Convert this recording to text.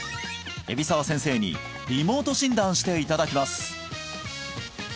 海老澤先生にリモート診断していただきます